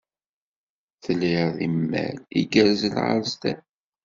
Tlid imal igerrzen ɣer sdat.